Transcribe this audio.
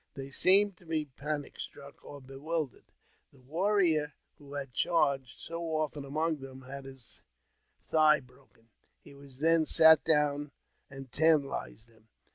They seemed to be panic struck or bewildered. The warrior who had charged so often among them had his :high broken; he then sat down and tantahzed them.